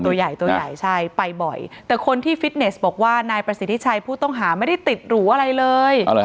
ตัวใหญ่ตัวใหญ่ใช่ไปบ่อยแต่คนที่ฟิตเนสบอกว่านายประสิทธิชัยผู้ต้องหาไม่ได้ติดหรูอะไรเลย